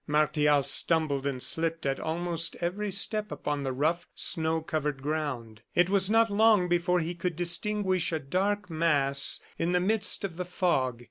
Martial stumbled and slipped at almost every step upon the rough, snow covered ground. It was not long before he could distinguish a dark mass in the midst of the fog.